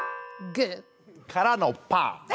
グー！からのパー！